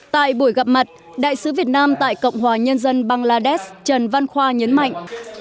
tại buổi gặp mặt đại sứ việt nam tại cộng hòa nhân dân bangladesh trần văn khoa nhấn mạnh